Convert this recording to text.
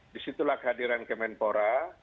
disitulah kehadiran kemenpora